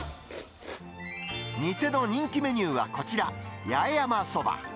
店の人気メニューはこちら、八重山そば。